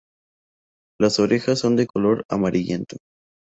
Las orejas son de color amarillento.